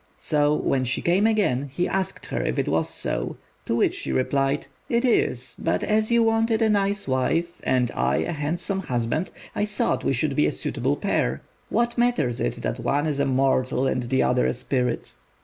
So when she came again he asked her if it was so; to which she replied, "It is; but as you wanted a nice wife and I a handsome husband, I thought we should be a suitable pair. What matters it that one is a mortal and the other a spirit?"